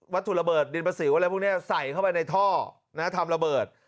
ถุระเบิดดินประสิวอะไรพวกนี้ใส่เข้าไปในท่อทำระเบิด